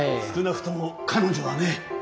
少なくとも彼女はね。